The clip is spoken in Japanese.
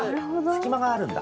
隙間があるんだ。